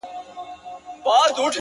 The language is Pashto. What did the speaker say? • ملت ړوند دی د نجات لوری یې ورک دی,